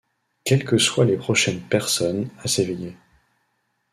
quelles que soient les prochaines personnes à s'éveiller.